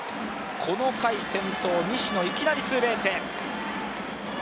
この回先頭西野、いきなりツーベース。